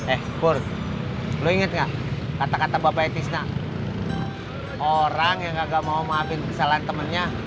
eh pur lu inget gak kata kata bapak etisna orang yang agak mau maafin kesalahan temennya